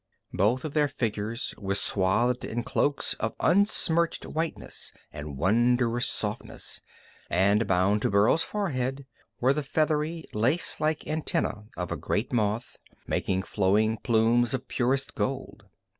Both of their figures were swathed in cloaks of unsmirched whiteness and wondrous softness, and bound to Burl's forehead were the feathery, lacelike antenna of a great moth, making flowing plumes of purest gold.